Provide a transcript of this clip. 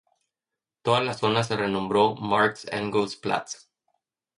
Toda la zona se renombró "Marx-Engels-Platz".